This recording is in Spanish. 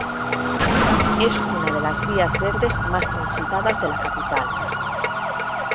Es una de las vías verdes más transitadas de la capital.